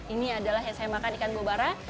ini adalah yang saya makan ikan bobara